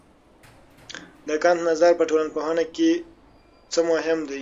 د کنت نظر په ټولنپوهنه کې څه مهم دی؟